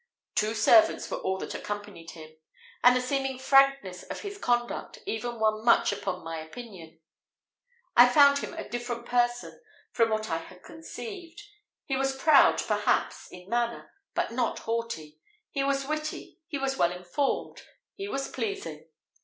Two servants were all that accompanied him; and the seeming frankness of this conduct even won much upon my opinion. I found him a different person from what I had conceived. He was proud, perhaps, in manner, but not haughty; he was witty he was well informed he was pleasing.